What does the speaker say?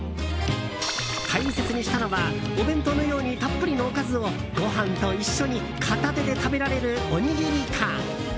大切にしたのは、お弁当のようにたっぷりのおかずをご飯と一緒に片手で食べられるおにぎり感。